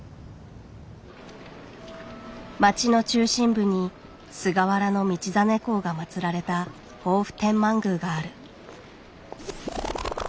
町の中心部に菅原道真公が祭られた防府天満宮がある。